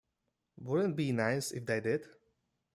Wouldn’t it be nice if they did?